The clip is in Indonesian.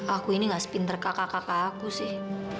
aku ini gak sepinter kakak kakak aku sih